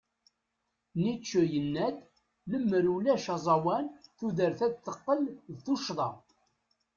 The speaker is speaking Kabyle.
Nietzsche yenna-d: Lemmer ulac aẓawan, tudert ad teqqel d tuccḍa.